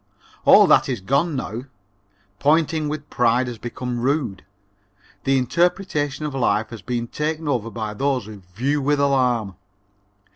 All that is gone now. Pointing with pride has become rude. The interpretation of life has been taken over by those who view with alarm.